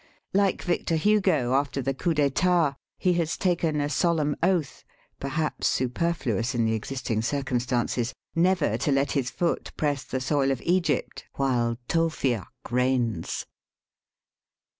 Like Victor Hugo after the coup d'Stat, he has taken a solemn oath (per haps superfluous in the existing circumstances) never to let his foot press the soil of Egypt while Tewfik reigns.